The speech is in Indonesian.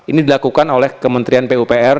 ini dilakukan oleh kementerian pupr